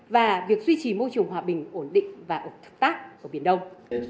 và việc duy trì môi trường hòa bình ổn định và ổn thực tác ở biển đông